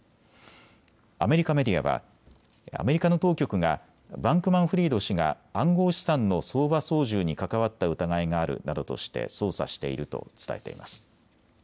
アメリカメディアはアメリカの当局がバンクマンフリード氏が暗号資産の相場操縦に関わった疑いがあるなどとして捜査していると伝えています。